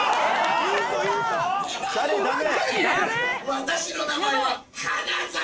私の名前は花沢。